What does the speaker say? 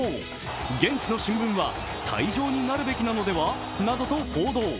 現地の新聞は退場になるべきなのではなどと報道。